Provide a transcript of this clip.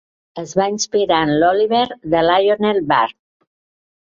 Es va inspirar en l'Oliver de Lionel Bart!